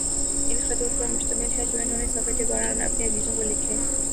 ان خطوط پر مشتمل ہیں جو انھوں نے سفر کے دوران اپنے عزیزوں کو لکھے